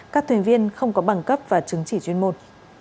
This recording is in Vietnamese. các thuyền viên không có bằng cấp và chứng chỉ chuyên môn